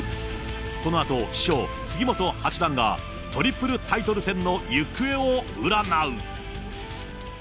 このあと師匠、杉本八段が、トリプルタイトル戦の行方を占う。